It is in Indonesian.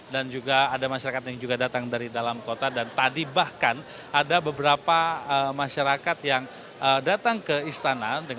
dan juga ada masyarakat yang datang dari dalam kota dan tadi bahkan ada beberapa masyarakat yang datang ke istana